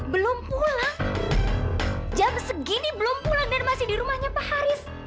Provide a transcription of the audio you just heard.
belum pulang jam segini belum pulang dan masih di rumahnya pak haris